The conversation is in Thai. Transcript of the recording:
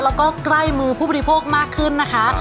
แล้วก็ใกล้มือผู้บริโภคมากขึ้นนะคะ